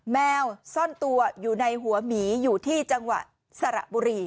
แมวซ่อนตัวอยู่ในหัวหมีอยู่ที่จังหวัดสระบุรี